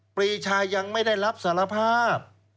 ปรีชายังไม่ได้รับสารภาพ